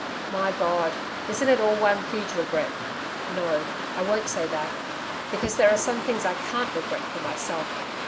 My God! isn't it all one huge regret? No, I won't say that.... Because there are some things I CAN'T regret for myself.